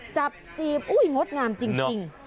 จับจีบอุ้ยงดงามจริง